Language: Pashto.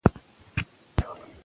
تعلیم په ټولنه کې بدلون راولي.